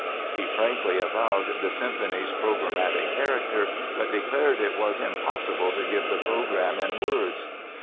He frankly avowed the symphony's "programmatic" character, but declared it was "impossible to give the program in words."